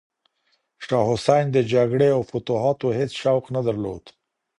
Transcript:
شاه حسین د جګړې او فتوحاتو هیڅ شوق نه درلود.